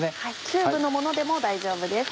チューブのものでも大丈夫です。